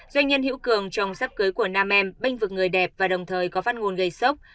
doanh nhân hữu cường trồng sắp cưới của nam em bênh vực người đẹp và đồng thời có phát ngôn gây sốc